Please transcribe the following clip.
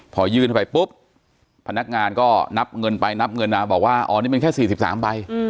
พอยื่นเข้าไปปุ๊บพนักงานก็นับเงินไปนับเงินมาบอกว่าอ๋อนี่มันแค่๔๓ใบ